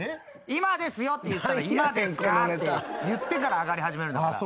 「今ですよ」って言ったら「今ですか？」って言ってから上がり始めるんだから。